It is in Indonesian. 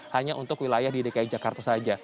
hanya untuk wilayah di dki jakarta saja